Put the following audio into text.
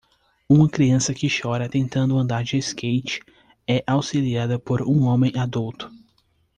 Uma criança que chora tentando andar de skate é auxiliada por um homem adulto.